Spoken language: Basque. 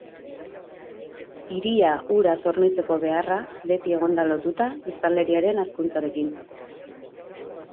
Hiria uraz hornitzeko beharra beti egon da lotuta biztanleriaren hazkuntzarekin.